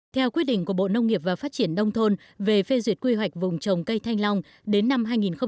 theo quyết định của bộ nông nghiệp và phát triển đông thôn về phê duyệt quy hoạch vùng trồng cây thanh long đến năm hai nghìn ba mươi